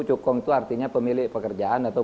cukong itu artinya pemilik pekerjaan atau